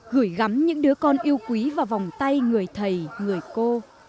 gửi gắm những đứa con yêu quý vào vòng tay người thầy người cô